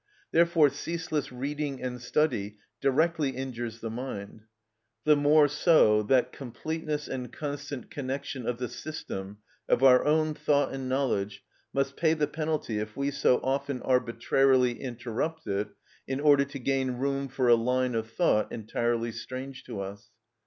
Therefore ceaseless reading and study directly injures the mind—the more so that completeness and constant connection of the system of our own thought and knowledge must pay the penalty if we so often arbitrarily interrupt it in order to gain room for a line of thought entirely strange to us.